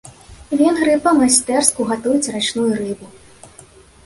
Венгры па-майстэрску гатуюць рачную рыбу.